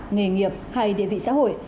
nghề nghiệp hay địa vị xã hội